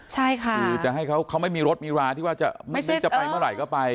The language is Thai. ใช่ค่ะคือจะให้เขาไม่มีรถมีราที่ว่าจะไม่รู้จะไปเมื่อไหร่ก็ไป